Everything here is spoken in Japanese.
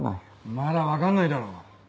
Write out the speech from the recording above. まだ分かんないだろ。